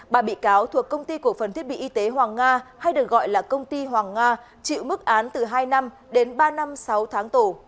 ba bị cáo thuộc công ty cổ phần thiết bị y tế hoàng nga hay được gọi là công ty hoàng nga chịu mức án từ hai năm đến ba năm sáu tháng tù